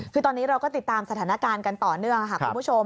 คือตอนนี้เราก็ติดตามสถานการณ์กันต่อเนื่องค่ะคุณผู้ชม